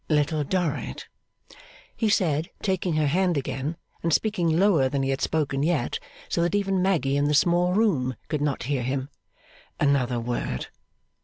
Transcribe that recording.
'Little Dorrit,' he said, taking her hand again, and speaking lower than he had spoken yet, so that even Maggy in the small room could not hear him, 'another word.